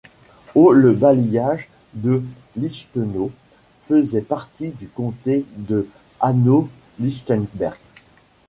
Au le bailliage de Lichtenau faisait part du comté de Hanau-Lichtenberg.